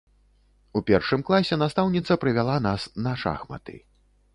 У першым класе настаўніца прывяла нас на шахматы.